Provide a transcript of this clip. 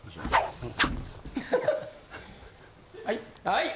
はい。